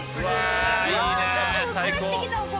うわちょっとふっくらしてきたお米。